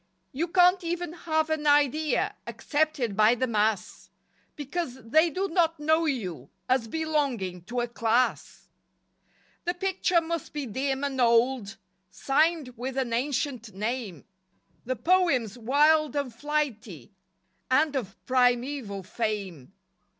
You can't even have an idea Accepted by the mass, Because they do not know you As belonging to a "Class." The picture must be dim and old Signed with an ancient name, The poems wild and flighty And of primeval fame.